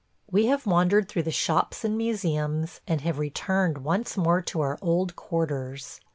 We have wandered through the shops and museums, and have returned once more to our old quarters.